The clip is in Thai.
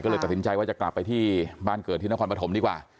ก็เลยตัดสินใจว่าจะกลับไปที่บ้านเกิดที่นครปฐมดีกว่า